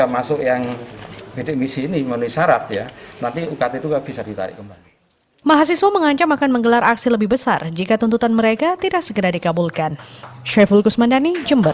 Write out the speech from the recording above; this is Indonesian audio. mahasiswa mengancam akan menggelar aksi lebih besar jika tuntutan mereka tidak segera dikabulkan